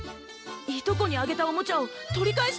いとこにあげたおもちゃを取り返したいんだ！